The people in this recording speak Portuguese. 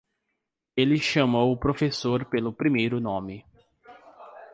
Ele chamou o professor pelo primeiro nome.